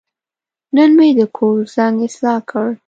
نن مې د کور زنګ اصلاح کړ.